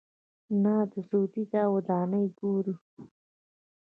نه د سعودي دا ودانۍ ګوري.